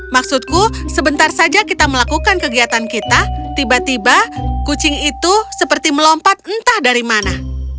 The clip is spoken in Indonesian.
maksudku sebentar saja kita melakukan kegiatan kita tiba tiba kucing itu seperti melompat entah dari mana